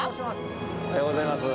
おはようございます。